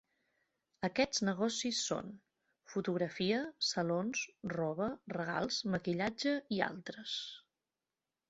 Aquests negocis són: fotografia, salons, roba, regals, maquillatge i altres.